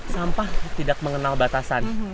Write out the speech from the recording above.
sampah tidak mengenal batasan